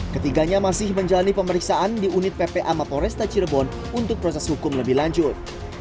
ketiganya masih menjalani pemeriksaan di unit ppa maporesta cirebon untuk proses hukum lebih lanjut